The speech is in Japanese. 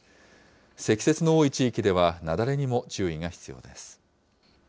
積雪の多い地域では、雪崩にも注意が必要です。